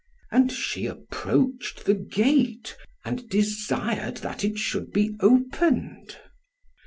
And she approached the gate, and desired that it should be opened.